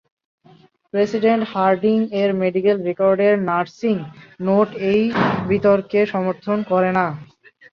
President হার্ডিং-এর medical রেকর্ডের nursing note এই বিতর্ককে সমর্থন করে না।